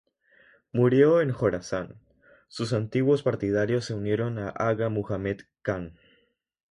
Murió en Jorasán.Sus antiguos partidarios se unieron a Aga Muhammad Khan.